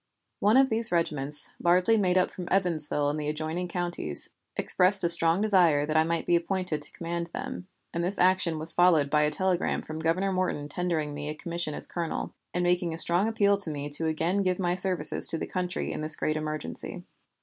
One of these regiments, largely made up from Evansville and the adjoining counties, expressed a strong desire that I might be appointed to command them, and this action was followed by a telegram from Governor Morton tendering me a commission as colonel, and making a strong appeal to me to again give my services to the country in this great emergency.